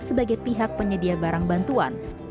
sebagai pihak penyedia barang bantuan